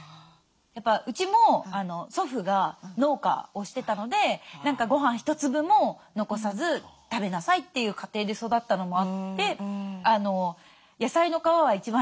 やっぱうちも祖父が農家をしてたので何かごはん一粒も残さず食べなさいという家庭で育ったのもあって「野菜の皮は一番栄養が高いんだよ」